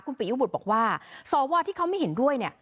ปียุบุตรบอกว่าสวที่เขาไม่เห็นด้วยเนี่ย